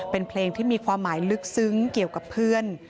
เป็นเพลงที่มีความหมายลึกซึ้งเกี่ยวกับเพื่อน